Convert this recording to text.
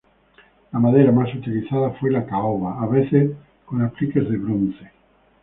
La madera más utilizada fue la caoba, a veces con con apliques de bronce.